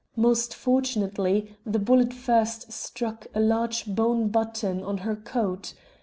Most fortunately, the bullet first struck a large bone button on her coat.